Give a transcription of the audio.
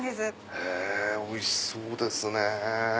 へぇおいしそうですね。